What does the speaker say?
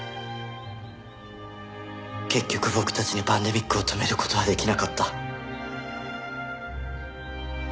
結局僕たちにパンデミックを止める事はできなかった。